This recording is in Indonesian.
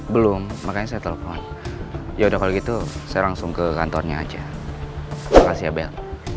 belum makanya saya telepon yaudah kalau gitu saya langsung ke kantornya aja terima kasih ya bel